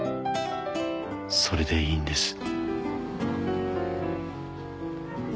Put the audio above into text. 「それでいいんです」